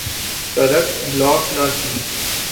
سڑک بلاک نہ کی۔